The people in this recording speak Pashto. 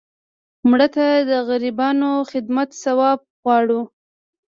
مړه ته د غریبانو خدمت ثواب غواړو